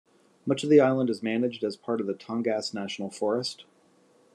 Much of the island is managed as part of the Tongass National Forest.